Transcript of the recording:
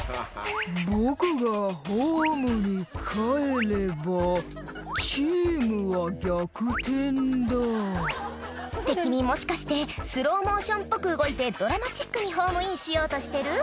「僕がホームにかえればチームは逆転だ」って君もしかしてスローモーションっぽく動いてドラマチックにホームインしようとしてる？